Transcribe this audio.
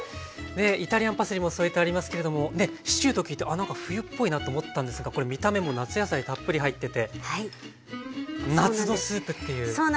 イタリアンパセリも添えてありますけれどもシチューと聞いてなんか冬っぽいなと思ったんですがこれ見た目も夏野菜たっぷり入ってて夏のスープっていう感じですね。